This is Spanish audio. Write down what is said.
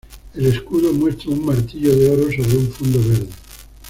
El escudo muestra un martillo de oro sobre un fondo verde.